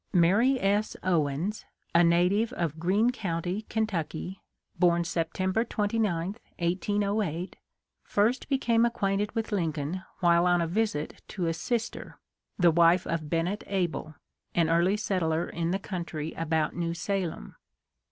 Mary S. Owens — a native of Green county, Ken tucky, born September 29, 1808 — first became ac quainted with Lincoln while on a visit to a sister, the wife of Bennet Able, an early settler in the coun try about New Salem.